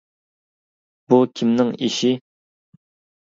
بۇ كىمنىڭ ئىشى؟!